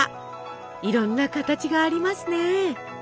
いろんな形がありますね。